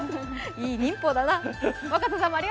いい忍法だな。